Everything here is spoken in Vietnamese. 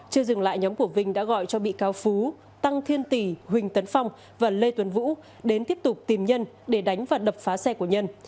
huỳnh tấn phong và lê tuấn vũ đến tiếp tục tìm nhân để đánh và đập phá xe của nhân